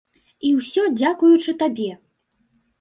І ўсё дзякуючы табе!